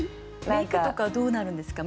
メイクとかどうなるんですか？